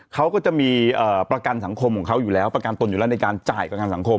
เขาก็จะมีประกันสังคมของเขาอยู่แล้วประกันตนอยู่แล้วในการจ่ายประกันสังคม